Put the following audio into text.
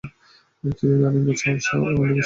ছিলেন নারায়ণগঞ্জ জেলা আওয়ামী লীগের সহসভাপতি।